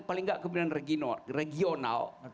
paling tidak kepemimpinan regional